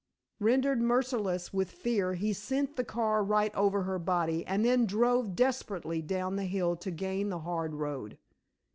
Rendered merciless with fear he sent the car right over her body, and then drove desperately down the hill to gain the hard road.